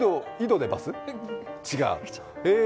違う？